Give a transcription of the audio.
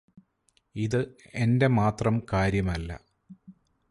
ഇത് എന്റെ മാത്രം കാര്യമല്ല